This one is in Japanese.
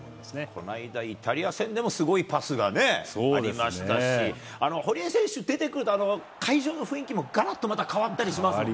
この間、イタリア戦でもすごいパスがね、ありましたし、堀江選手、出てくると、会場の雰囲気もがらっとまた変わったりしますもんね。